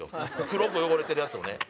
黒く汚れてるやつをね